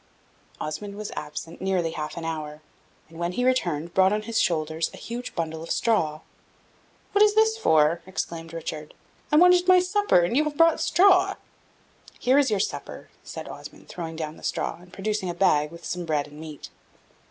Osmond was absent nearly half an hour, and, when he returned, brought on his shoulders a huge bundle of straw. "What is this for?" exclaimed Richard. "I wanted my supper, and you have brought straw!" "Here is your supper," said Osmond, throwing down the straw, and producing a bag with some bread and meat.